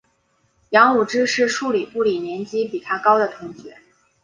杨武之是数理部里年级比他高的同学。